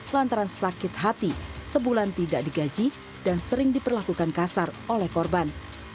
lantaran sakit hati sebulan tidak digaji dan sering diperlakukan kasar oleh korban